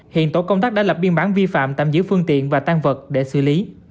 hiện tổ công tác đã lập biên bản vi phạm tạm giữ phương tiện và tan vật để xử lý